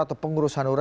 atau pengurus hanura